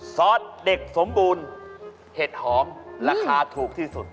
ซอสเด็กสมบูรณ์เห็ดหอมราคาถูกที่สุด